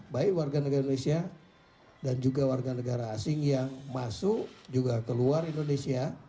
baik warga negara indonesia dan juga warga negara asing yang masuk juga keluar indonesia